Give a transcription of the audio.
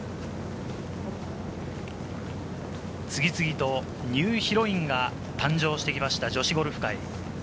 次々とニューヒロインが誕生してきました、女子ゴルフ界。